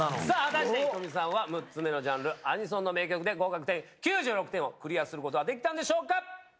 さぁ果たしてｈｉｔｏｍｉさんは６つ目のジャンルアニソンの名曲で合格点９６点をクリアすることはできたんでしょうか。